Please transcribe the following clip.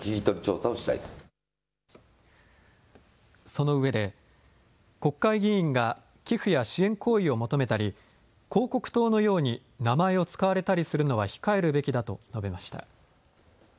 そのうえで国会議員が寄付や支援行為を求めたり、広告塔のように名前を使われたりするのは控えるべきだと述べました。